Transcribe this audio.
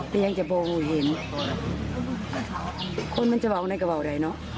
แต่ยังจะบ่งหูเห็นคนมันจะเว้าไหนก็เว้าไหนเนอะ